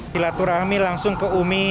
dilaturahmi langsung ke umi